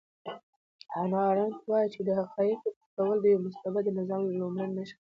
هانا ارنټ وایي چې د حقایقو پټول د یو مستبد نظام لومړنۍ نښه ده.